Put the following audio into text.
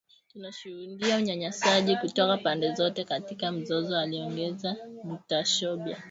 “Tunashuhudia unyanyasaji kutoka pande zote katika mzozo” aliongeza Rutashobya